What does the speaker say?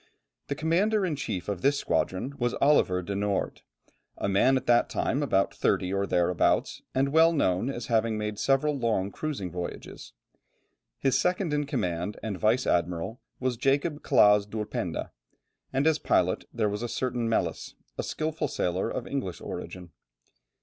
The commander in chief of this squadron was Oliver de Noort, a man at that time about thirty or thereabouts, and well known as having made several long cruising voyages. His second in command and vice admiral was Jacob Claaz d'Ulpenda, and as pilot there was a certain Melis, a skilful sailor of English origin.